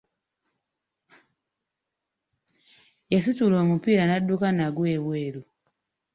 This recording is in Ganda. Yasitula omupiira n'adduka nagwo ebweru.